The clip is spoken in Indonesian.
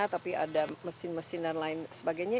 tapi ada mesin mesin dan lain sebagainya